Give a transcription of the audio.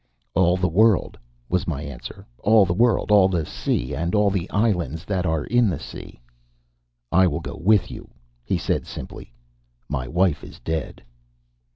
"All the world," was my answer "all the world, all the sea, and all the islands that are in the sea." "I will go with you," he said simply. "My wife is dead."